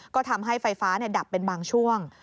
ก็ทำให้ไฟฟ้าดับเป็นบางช่วง